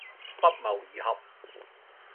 不謀而合